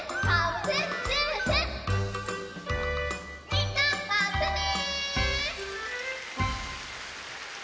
みんなまったね！